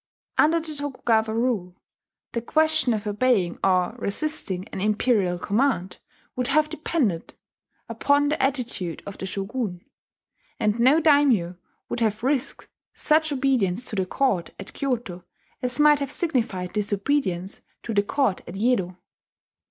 Under the Tokugawa rule, the question of obeying or resisting an imperial command would have depended upon the attitude of the shogun; and no daimyo would have risked such obedience to the court at Kyoto as might have signified disobedience to the court at Yedo.